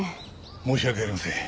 申し訳ありません。